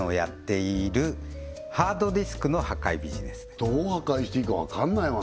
それはどう破壊していいかわかんないもん